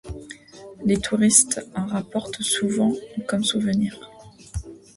Les touristes en rapportent souvent comme souvenir.